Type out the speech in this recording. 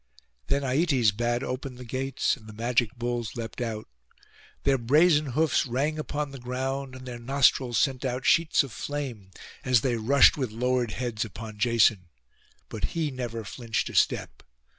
Then Aietes bade open the gates, and the magic bulls leapt out. Their brazen hoofs rang upon the ground, and their nostrils sent out sheets of flame, as they rushed with lowered heads upon Jason; but he never flinched a step.